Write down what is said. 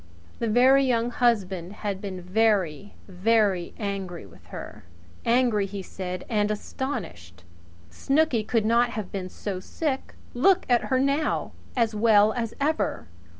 The Very Young Husband had been very, very angry with her angry and hurt, he said, and astonished! Snooky could not have been so sick! Look at her now! As well as ever.